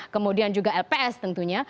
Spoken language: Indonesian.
kemudian juga lps tentunya